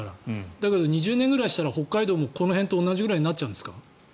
だけど２０年ぐらいしたら北海道もこの辺と同じぐらいになっちゃうんですか？